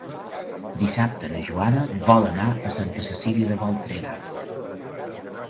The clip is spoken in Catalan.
Dissabte na Joana vol anar a Santa Cecília de Voltregà.